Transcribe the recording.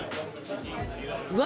うわ！